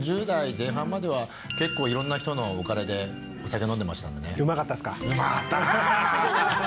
３０代前半までは結構いろんな人のお金でお酒飲んでましたんうまかったですか？